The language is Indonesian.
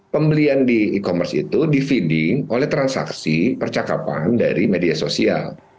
pembelian di e commerce itu di feeding oleh transaksi percakapan dari media sosial